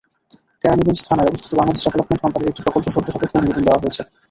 কেরানীগঞ্জ থানায় অবস্থিত বাংলাদেশ ডেভেলপমেন্ট কোম্পানির একটি প্রকল্প শর্ত সাপেক্ষে অনুমোদন দেওয়া হয়েছে।